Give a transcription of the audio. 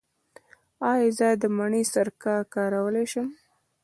ایا زه د مڼې سرکه کارولی شم؟